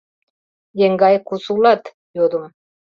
— Еҥгай, кусо улат? — йодым.